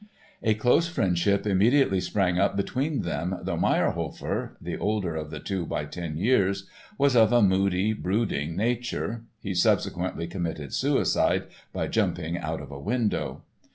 A close friendship immediately sprang up between them though Mayrhofer—the older of the two by ten years—was of a moody, brooding nature (he subsequently committed suicide by jumping out of a window).